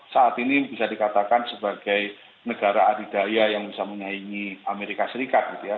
saat ini bisa dikatakan sebagai negara adidaya yang bisa menyaingi amerika serikat gitu ya